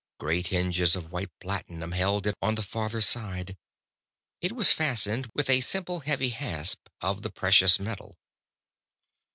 Great hinges of white platinum held it on the farther side; it was fastened with a simple, heavy hasp of the precious metal.